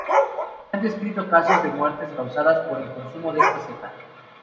Se han descrito casos de muertes causadas por el consumo de esta seta.